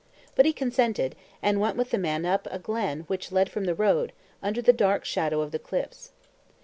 But he consented, and went with the man up a glen which led from the road, under the dark shadow of the cliffs.